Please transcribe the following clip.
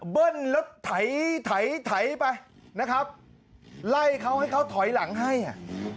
เบิ้ลแล้วไถไปนะครับไล่เขาให้เขาถอยหลังให้อ่ะ